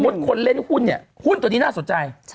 คนเล่นหุ้นเนี่ยหุ้นตัวนี้น่าสนใจ